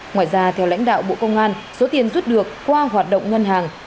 ngoài ra theo lãnh đạo bộ công an số tiền rút được qua hoạt động ngân hàng